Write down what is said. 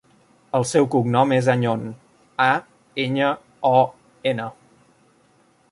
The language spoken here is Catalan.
El seu cognom és Añon: a, enya, o, ena.